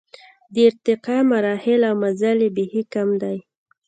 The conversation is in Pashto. د ارتقا مراحل او مزل یې بېخي کم دی.